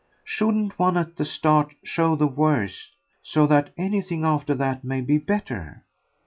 Shouldn't one, at the start, show the worst so that anything after that may be better?